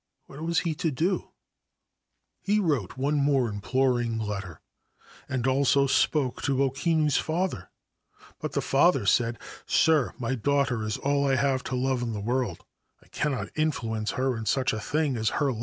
What was he to do r He wrote one more imploring letter, and also spoke to O Kinu's father ; but the father said, c Sir, my daughter is all I have to love in the world : I cannot influence her in such a thing as her love.